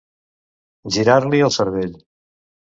Girar-li el cervell.